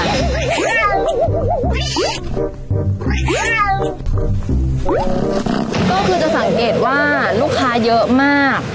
ก็คือจะสังเกตว่าลูกค้าเยอะมาก